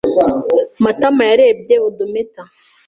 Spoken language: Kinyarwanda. Matama yarebye odometer.